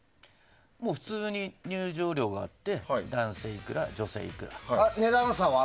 普通に入場料があって男性いくら、女性いくら。あります。